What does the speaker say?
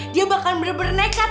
dia bakalan bener bener nekat